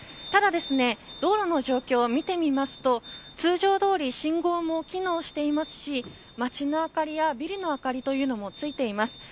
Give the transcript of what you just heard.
ただ道路の状況を見てみると通常どおり信号も機能しているし街の明かりや、ビルの明かりというのもついています。